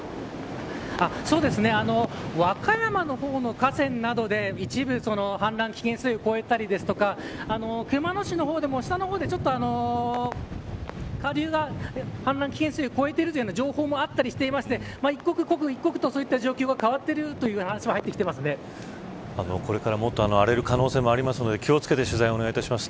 和歌山の方の河川などで一部、氾濫危険水位を超えたりとか熊野市の方でも、下の方で下流が氾濫危険水位を超えているという情報もあったりしていて刻一刻とそういった状況が変わっているという話はこれからもっと荒れる可能性もあるので気を付けて取材をお願いします。